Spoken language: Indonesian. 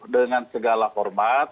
dengan segala hormat